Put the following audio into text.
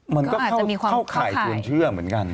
มันก็อาจจะเข้าข่ายชวนเชื่อเหมือนกัน